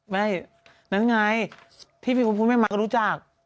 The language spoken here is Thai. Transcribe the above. นั่นไงที่พี่คุ้นแม่มักก็รู้จัก